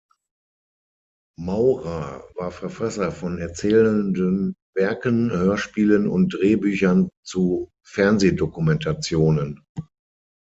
Maurer war Verfasser von erzählenden Werken, Hörspielen und Drehbüchern zu Fernsehdokumentationen.